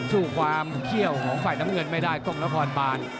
สู้ความเขี้ยวของฝ่ายน้ำเงินไม่ได้กล้องนครบาน